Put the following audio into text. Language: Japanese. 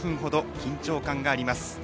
緊張感があります。